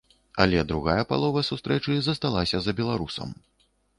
Але другая палова сустрэчы засталася за беларусам.